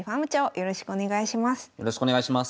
よろしくお願いします。